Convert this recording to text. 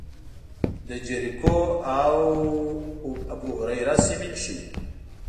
د جریکو او ابوهریره سیمې ښيي.